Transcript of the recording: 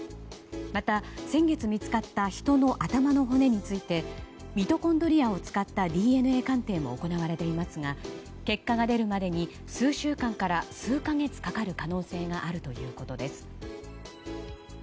また、先月見つかった人の頭の骨についてミトコンドリアを使ったＤＮＡ鑑定も行われていますが結果が出るまでに数週間から数か月かかる可能性があるということです。